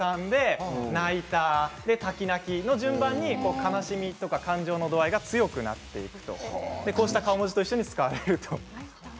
順番に悲しみや感情の度合いが強くなっていくと、こうした顔文字と一緒に使われると。